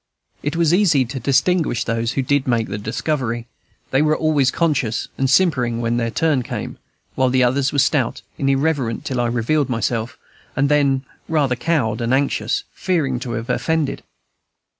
It was easy to distinguish those who did make the discovery; they were always conscious and simpering when their turn came; while the others were stout and irreverent till I revealed myself, and then rather cowed and anxious, fearing to have offended.